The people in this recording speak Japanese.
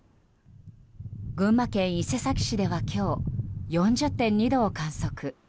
群馬県伊勢崎市では今日４０．２度を観測。